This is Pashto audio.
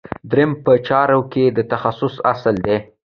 دریم په چارو کې د تخصص اصل دی.